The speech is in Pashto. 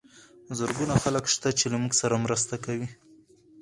زرګونه خلک شته چې له موږ سره مرسته کوي.